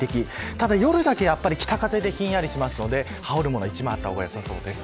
ただ夜だけ、北風でひんやりしますので、羽織るものが一枚あった方がよさそうです。